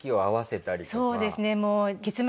そうですね。